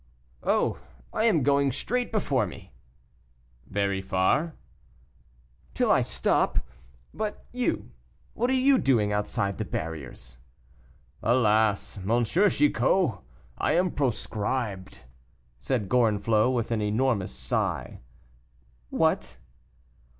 "Oh! I am going straight before me." "Very far?" "Till I stop. But you what are you doing outside the barriers?" "Alas! M. Chicot! I am proscribed," said Gorenflot, with an enormous sigh. "What?"